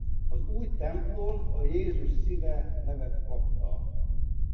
Az új templom a Jézus szíve nevet kapta.